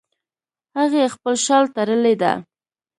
هغې خپل شال تړلی ده